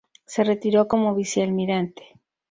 Se retiró como vicealmirante.